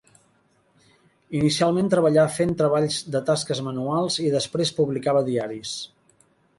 Inicialment treballà fent treballs de tasques manuals i després publicava diaris.